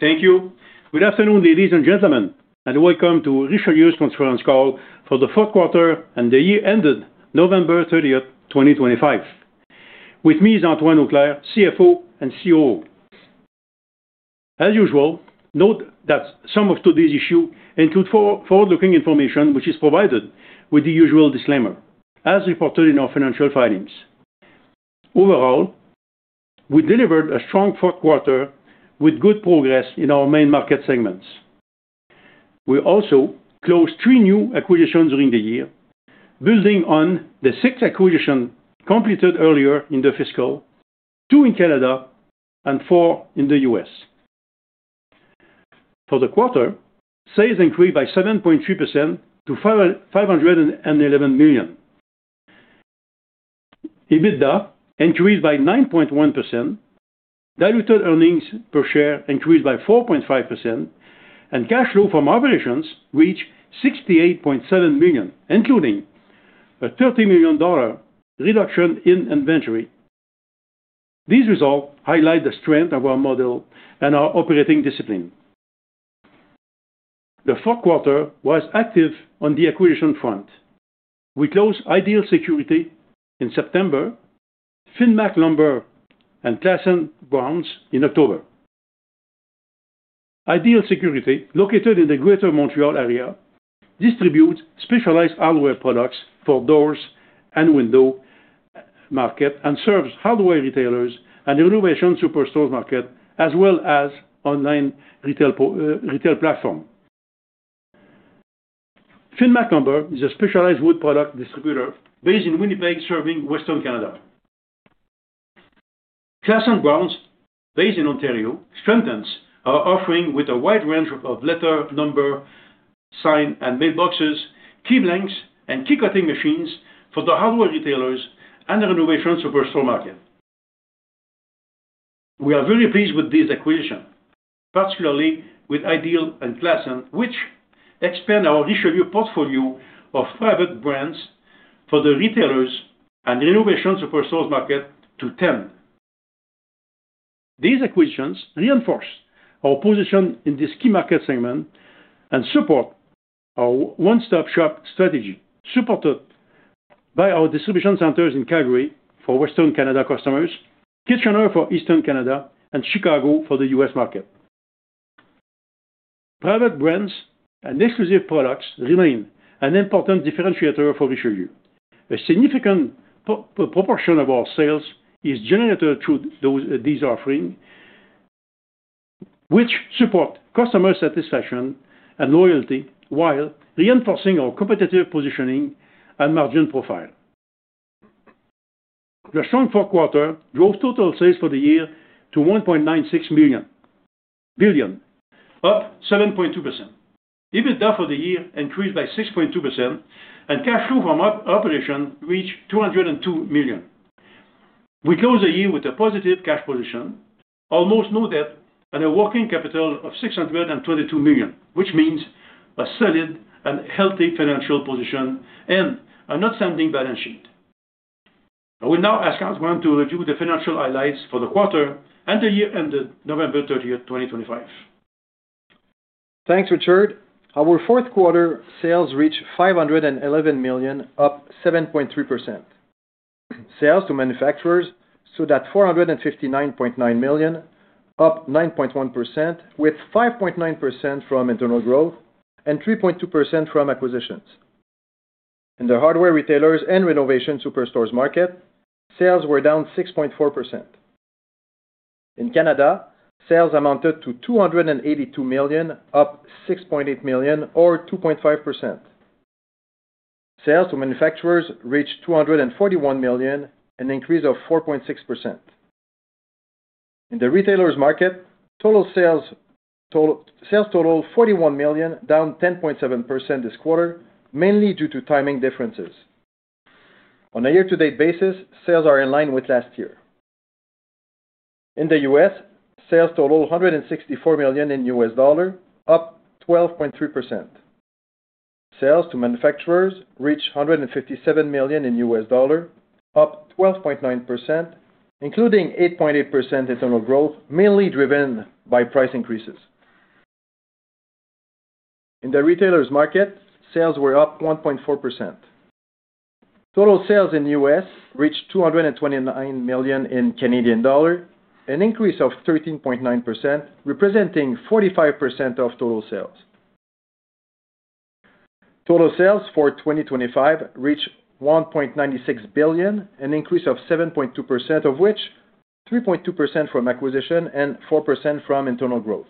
Thank you. Good afternoon, ladies and gentlemen, and welcome to Richelieu's conference call for the fourth quarter and the year ended November 30th, 2025. With me is Antoine Auclair, CFO and COO. As usual, note that some of today's issues include forward-looking information, which is provided with the usual disclaimer, as reported in our financial filings. Overall, we delivered a strong fourth quarter with good progress in our main market segments. We also closed three new acquisitions during the year, building on the six acquisitions completed earlier in the fiscal, two in Canada, and four in the U.S. For the quarter, sales increased by 7.3% to 511 million. EBITDA increased by 9.1%, diluted earnings per share increased by 4.5%, and cash flow from operations reached 68.7 million, including a 30 million dollar reduction in inventory. These results highlight the strength of our model and our operating discipline. The fourth quarter was active on the acquisition front. We closed Ideal Security in September, Finmac Lumber, and Klassen Bronze in October. Ideal Security, located in the Greater Montreal area, distributes specialized hardware products for the doors and window market and serves hardware retailers and the renovation superstores market, as well as online retail platform. Finmac Lumber is a specialized wood product distributor based in Winnipeg, serving Western Canada. Klassen Bronze, based in Ontario, strengthens our offering with a wide range of letter, number, sign, and mailboxes, key blanks, and key cutting machines for the hardware retailers and the renovation superstore market. We are very pleased with this acquisition, particularly with Ideal and Klassen, which expand our Richelieu portfolio of private brands for the retailers and renovation superstores market to 10. These acquisitions reinforce our position in the key market segment and support our one-stop-shop strategy, supported by our distribution centers in Calgary for Western Canada customers, Kitchener for Eastern Canada, and Chicago for the U.S. market. Private brands and exclusive products remain an important differentiator for Richelieu. A significant proportion of our sales is generated through these offerings, which support customer satisfaction and loyalty while reinforcing our competitive positioning and margin profile. The strong fourth quarter drove total sales for the year to 1.96 billion, up 7.2%. EBITDA for the year increased by 6.2%, and cash flow from operations reached 202 million. We closed the year with a positive cash position, almost no debt, and a working capital of 622 million, which means a solid and healthy financial position and an outstanding balance sheet. I will now ask Antoine to review the financial highlights for the quarter and the year ended November 30th, 2025. Thanks, Richard. Our fourth quarter sales reached 511 million, up 7.3%. Sales to manufacturers stood at 459.9 million, up 9.1%, with 5.9% from internal growth and 3.2% from acquisitions. In the hardware retailers and renovation superstores market, sales were down 6.4%. In Canada, sales amounted to 282 million, up 6.8 million, or 2.5%. Sales to manufacturers reached 241 million, an increase of 4.6%. In the retailers market, total sales totaled 41 million, down 10.7% this quarter, mainly due to timing differences. On a year-to-date basis, sales are in line with last year. In the U.S., sales totaled $164 million, up 12.3%. Sales to manufacturers reached $157 million, up 12.9%, including 8.8% internal growth, mainly driven by price increases. In the retailers market, sales were up 1.4%. Total sales in the U.S. reached CAD 229 million, an increase of 13.9%, representing 45% of total sales. Total sales for 2025 reached 1.96 billion, an increase of 7.2%, of which 3.2% from acquisitions and 4% from internal growth.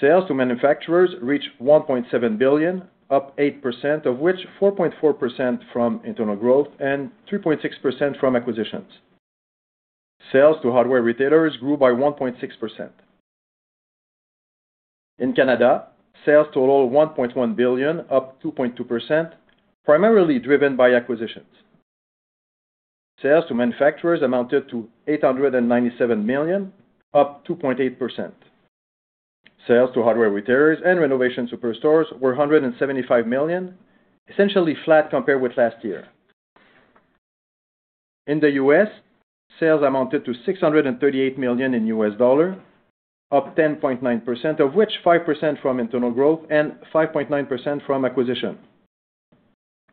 Sales to manufacturers reached 1.7 billion, up 8%, of which 4.4% from internal growth and 3.6% from acquisitions. Sales to hardware retailers grew by 1.6%. In Canada, sales totaled 1.1 billion, up 2.2%, primarily driven by acquisitions. Sales to manufacturers amounted to 897 million, up 2.8%. Sales to hardware retailers and renovation superstores were 175 million, essentially flat compared with last year. In the U.S., sales amounted to $638 million, up 10.9%, of which 5% from internal growth and 5.9% from acquisitions.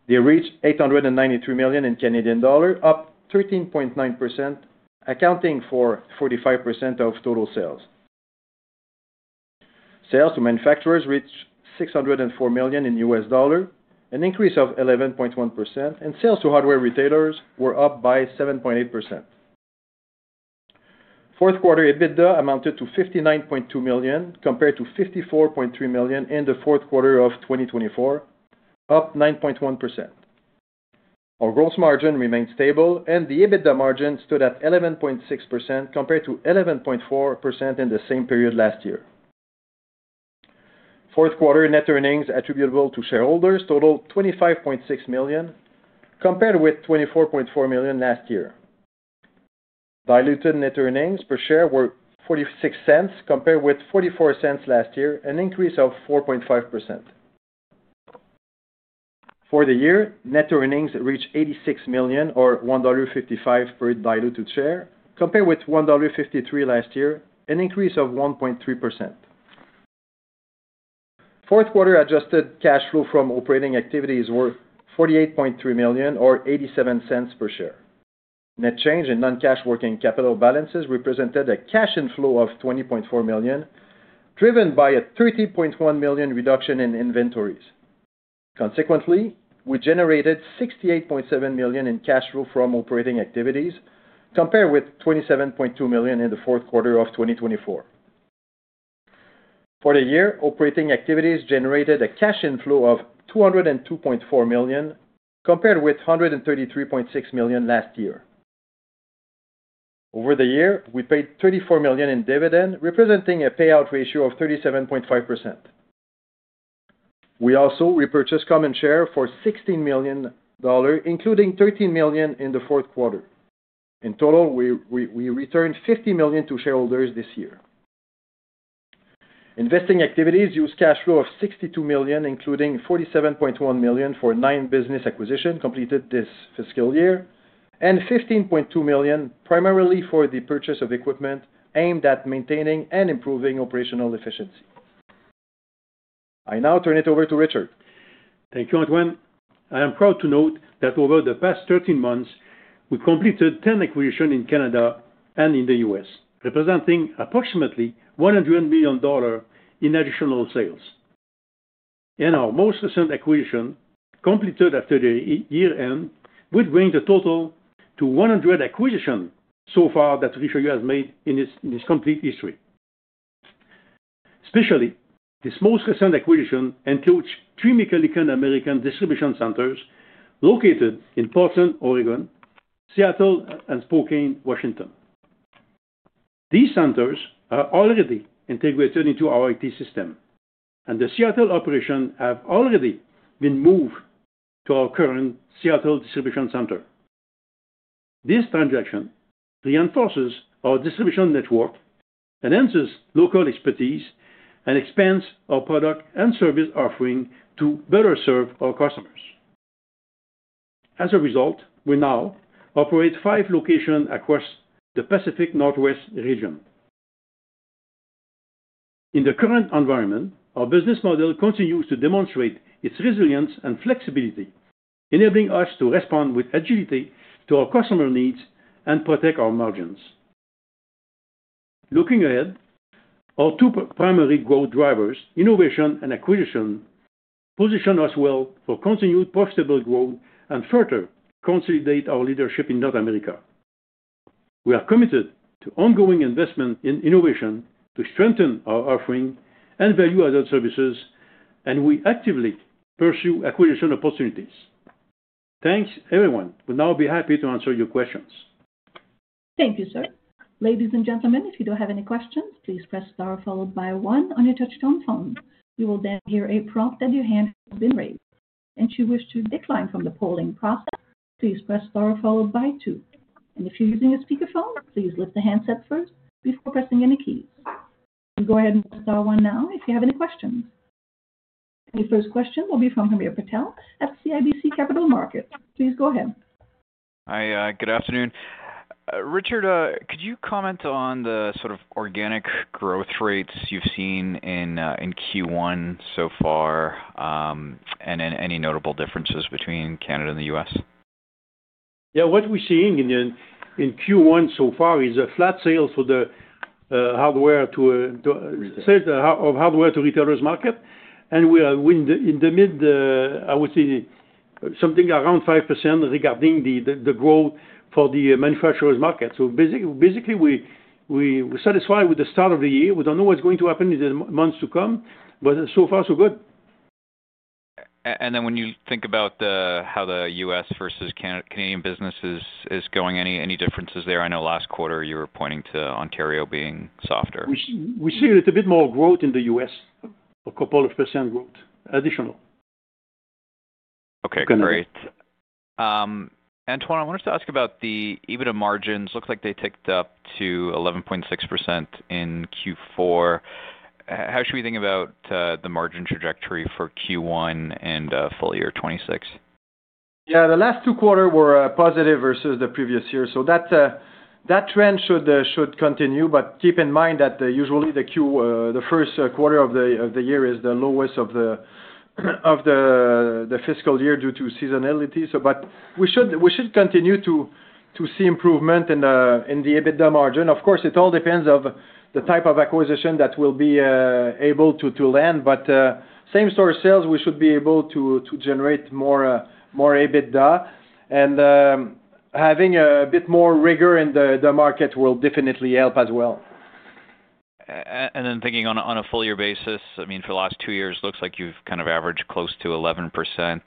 They reached 893 million, up 13.9%, accounting for 45% of total sales. Sales to manufacturers reached $604 million, an increase of 11.1%, and sales to hardware retailers were up by 7.8%. Fourth quarter EBITDA amounted to 59.2 million, compared to 54.3 million in the fourth quarter of 2024, up 9.1%. Our gross margin remained stable, and the EBITDA margin stood at 11.6%, compared to 11.4% in the same period last year. Fourth quarter net earnings attributable to shareholders totaled 25.6 million, compared with 24.4 million last year. Diluted net earnings per share were 0.46, compared with 0.44 last year, an increase of 4.5%. For the year, net earnings reached 86 million, or 1.55 dollar per diluted share, compared with 1.53 dollar last year, an increase of 1.3%. Fourth quarter adjusted cash flow from operating activities were 48.3 million, or 0.87 per share. Net change in non-cash working capital balances represented a cash inflow of 20.4 million, driven by a 30.1 million reduction in inventories. Consequently, we generated 68.7 million in cash flow from operating activities, compared with 27.2 million in the fourth quarter of 2024. For the year, operating activities generated a cash inflow of CAD 202.4 million, compared with CAD 133.6 million last year. Over the year, we paid CAD 34 million in dividend, representing a payout ratio of 37.5%. We also repurchased common shares for 16 million dollars, including 13 million in the fourth quarter. In total, we returned 50 million to shareholders this year. Investing activities used cash flow of 62 million, including 47.1 million for nine business acquisitions completed this fiscal year, and 15.2 million, primarily for the purchase of equipment aimed at maintaining and improving operational efficiency. I now turn it over to Richard. Thank you, Antoine. I am proud to note that over the past 13 months, we completed 10 acquisitions in Canada and in the U.S., representing approximately 100 million dollars in additional sales, and our most recent acquisition, completed after the year-end, would bring the total to 100 acquisitions so far that Richelieu has made in its complete history. Specifically, this most recent acquisition includes three McKillican American distribution centers located in Portland, Oregon, Seattle, and Spokane, Washington. These centers are already integrated into our IT system, and the Seattle operations have already been moved to our current Seattle distribution center. This transaction reinforces our distribution network, enhances local expertise, and expands our product and service offering to better serve our customers. As a result, we now operate five locations across the Pacific Northwest region. In the current environment, our business model continues to demonstrate its resilience and flexibility, enabling us to respond with agility to our customer needs and protect our margins. Looking ahead, our two primary growth drivers, innovation and acquisition, position us well for continued profitable growth and further consolidate our leadership in North America. We are committed to ongoing investment in innovation to strengthen our offering and value-added services, and we actively pursue acquisition opportunities. Thanks, everyone. We'll now be happy to answer your questions. Thank you, sir. Ladies and gentlemen, if you don't have any questions, please press star followed by one on your touch-tone phone. You will then hear a prompt that your hand has been raised. And if you wish to decline from the polling process, please press star followed by two. And if you're using a speakerphone, please lift the handset first before pressing any keys. We'll go ahead and press star one now if you have any questions. And your first question will be from Hamir Patel at CIBC Capital Markets. Please go ahead. Hi, good afternoon. Richard, could you comment on the sort of organic growth rates you've seen in Q1 so far and any notable differences between Canada and the U.S.? Yeah, what we're seeing in Q1 so far is a flat sales for the hardware to retailers market, and we are in the mid, I would say, something around 5% regarding the growth for the manufacturers market, so basically, we're satisfied with the start of the year. We don't know what's going to happen in the months to come, but so far, so good. And then when you think about how the U.S. versus Canadian business is going, any differences there? I know last quarter you were pointing to Ontario being softer. We see a little bit more growth in the U.S., a couple of percent growth, additional. Okay, great. Antoine, I wanted to ask about the EBITDA margins. Looks like they ticked up to 11.6% in Q4. How should we think about the margin trajectory for Q1 and full year 2026? Yeah, the last two quarters were positive versus the previous year. So that trend should continue, but keep in mind that usually the first quarter of the year is the lowest of the fiscal year due to seasonality. But we should continue to see improvement in the EBITDA margin. Of course, it all depends on the type of acquisition that we'll be able to land. But same store sales, we should be able to generate more EBITDA. And having a bit more rigor in the market will definitely help as well. And then thinking on a full year basis, I mean, for the last two years, it looks like you've kind of averaged close to 11%.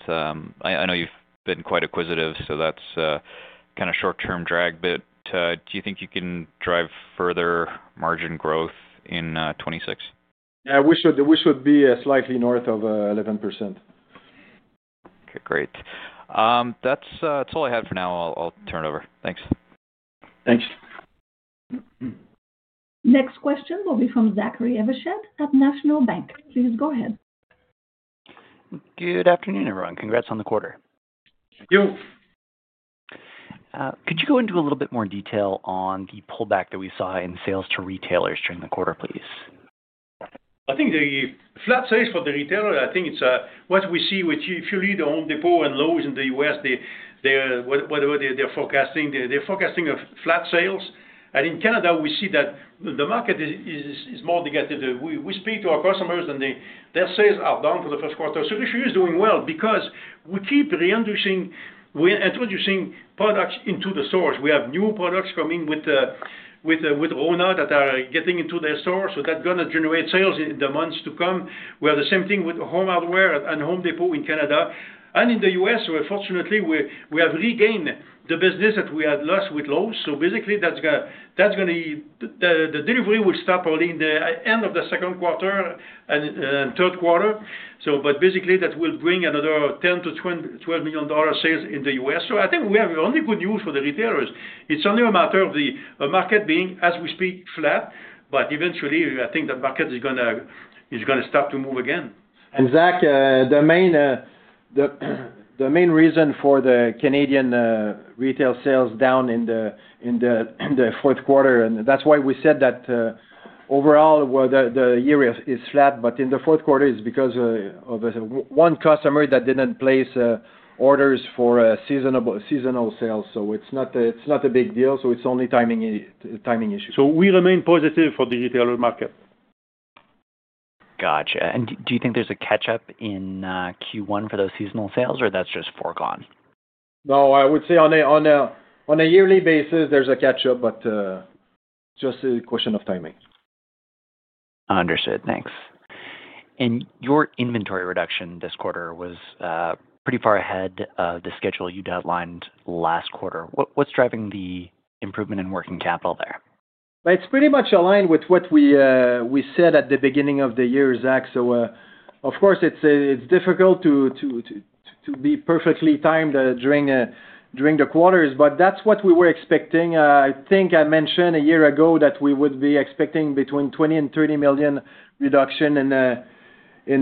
I know you've been quite acquisitive, so that's kind of a short-term drag, but do you think you can drive further margin growth in 2026? Yeah, we should be slightly north of 11%. Okay, great. That's all I had for now. I'll turn it over. Thanks. Thanks. Next question will be from Zachary Evershed at National Bank. Please go ahead. Good afternoon, everyone. Congrats on the quarter. Thank you. Could you go into a little bit more detail on the pullback that we saw in sales to retailers during the quarter, please? I think the flat sales for the retailer. I think it's what we see with purely the Home Depot and Lowe's in the U.S., whatever they're forecasting. They're forecasting flat sales. And in Canada, we see that the market is more negative. We speak to our customers, and their sales are down for the first quarter. So Richelieu is doing well because we keep reintroducing products into the stores. We have new products coming with Rona that are getting into their stores. So that's going to generate sales in the months to come. We have the same thing with Home Hardware and Home Depot in Canada. And in the U.S., fortunately, we have regained the business that we had lost with Lowe's. So basically, that's going to be the delivery will stop early in the end of the second quarter and third quarter. But basically, that will bring another $10 million-12 million sales in the U.S. So I think we have only good news for the retailers. It's only a matter of the market being, as we speak, flat. But eventually, I think the market is going to start to move again. And Zach, the main reason for the Canadian retail sales down in the fourth quarter, and that's why we said that overall, the year is flat, but in the fourth quarter, it's because of one customer that didn't place orders for seasonal sales. So it's not a big deal. So it's only timing issues. We remain positive for the retailer market. Gotcha. And do you think there's a catch-up in Q1 for those seasonal sales, or that's just foregone? No, I would say on a yearly basis, there's a catch-up, but just a question of timing. Understood. Thanks. And your inventory reduction this quarter was pretty far ahead of the schedule you'd outlined last quarter. What's driving the improvement in working capital there? It's pretty much aligned with what we said at the beginning of the year, Zach. So of course, it's difficult to be perfectly timed during the quarters, but that's what we were expecting. I think I mentioned a year ago that we would be expecting between 20 million and 30 million reduction in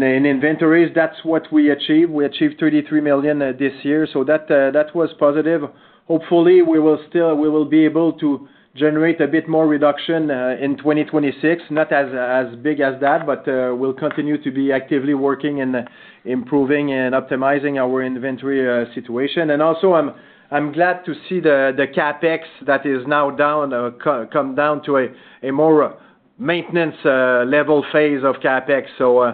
inventories. That's what we achieved. We achieved 33 million this year. So that was positive. Hopefully, we will be able to generate a bit more reduction in 2026, not as big as that, but we'll continue to be actively working and improving and optimizing our inventory situation, and also, I'm glad to see the CapEx that is now come down to a more maintenance level phase of CapEx, so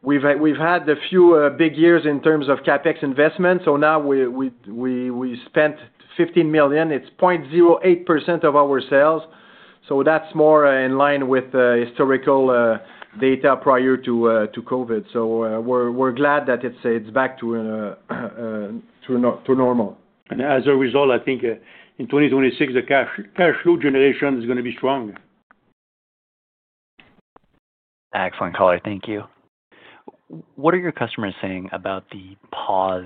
we've had a few big years in terms of CapEx investment, so now we spent 15 million. It's 0.08% of our sales. So that's more in line with historical data prior to COVID. So we're glad that it's back to normal. As a result, I think in 2026, the cash flow generation is going to be strong. Excellent, caller. Thank you. What are your customers saying about the pause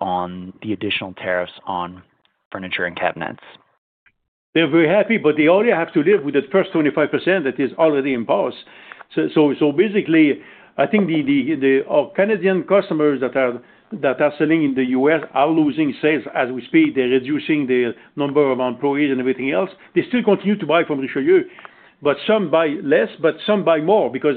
on the additional tariffs on furniture and cabinets? They're very happy, but they only have to live with the first 25% that is already in pause. So basically, I think our Canadian customers that are selling in the U.S. are losing sales as we speak. They're reducing the number of employees and everything else. They still continue to buy from Richelieu, but some buy less, but some buy more because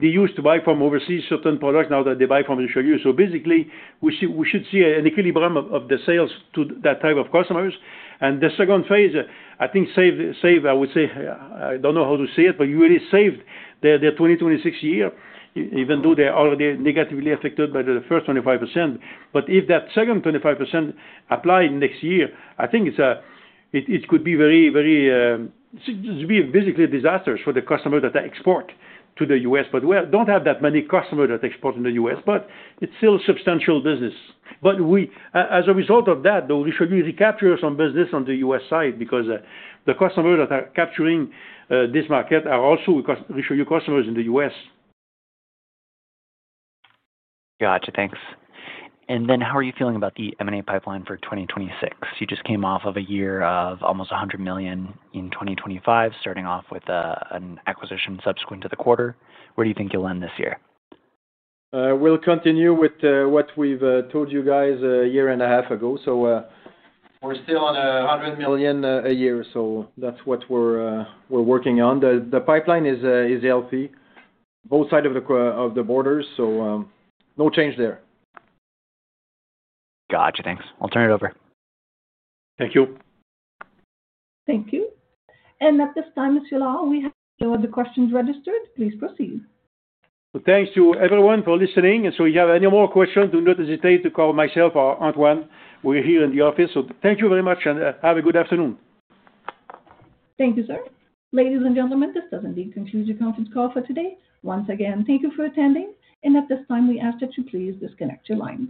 they used to buy from overseas certain products now that they buy from Richelieu. So basically, we should see an equilibrium of the sales to that type of customers. And the second phase, I think saved, I would say, I don't know how to say it, but you really saved their 2026 year, even though they're already negatively affected by the first 25%. But if that second 25% apply next year, I think it could be very, very basically disastrous for the customers that export to the U.S. But we don't have that many customers that export in the U.S., but it's still substantial business. But as a result of that, though, Richelieu recaptures some business on the U.S. side because the customers that are capturing this market are also Richelieu customers in the U.S. Gotcha. Thanks. And then how are you feeling about the M&A pipeline for 2026? You just came off of a year of almost 100 million in 2025, starting off with an acquisition subsequent to the quarter. Where do you think you'll end this year? We'll continue with what we've told you guys a year and a half ago. So we're still on 100 million a year. So that's what we're working on. The pipeline is healthy, both sides of the borders. So no change there. Gotcha. Thanks. I'll turn it over. Thank you. Thank you. At this time, Mr. Lord, we have no questions registered. Please proceed. Thanks to everyone for listening. And so if you have any more questions, do not hesitate to call myself or Antoine. We're here in the office. So thank you very much and have a good afternoon. Thank you, sir. Ladies and gentlemen, this does indeed conclude your conference call for today. Once again, thank you for attending, and at this time, we ask that you please disconnect your lines.